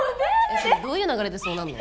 それどういう流れでそうなるの？